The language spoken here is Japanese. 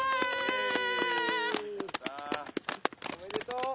おめでとう。